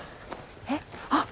えっあっ！